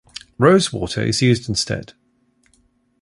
Rose water is used instead.